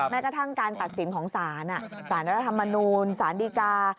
แม้กระทั่งการตัดสินของศาลสารรัฐธรรมนูลสารดีกา